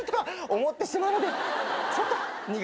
思ってしまうのでちょっと苦手ですね。